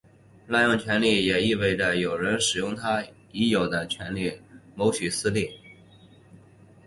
滥用权力也意味着有人使用他已有的权力谋取私利。